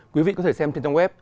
quý vị có thể xem trên trang web